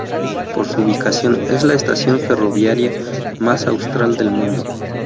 Por su ubicación, es la estación ferroviaria más austral del mundo.